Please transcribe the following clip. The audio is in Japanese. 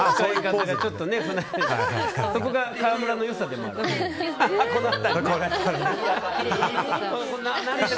そこが川村の良さでもある。